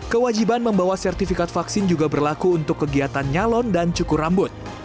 kewajiban membawa sertifikat vaksin juga berlaku untuk kegiatan nyalon dan cukur rambut